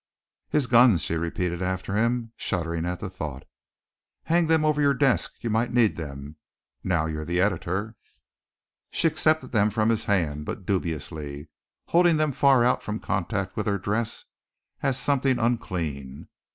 "His guns!" she repeated after him, shuddering at the thought. "Hang them over your desk you might need them, now you're the editor." She accepted them from his hand, but dubiously, holding them far out from contact with her dress as something unclean.